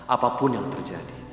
apapun yang terjadi